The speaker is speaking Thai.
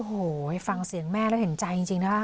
โอ้โหฟังเสียงแม่แล้วเห็นใจจริงนะคะ